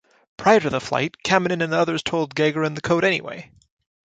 Prior to the flight, Kamanin and others told Gagarin the code anyway.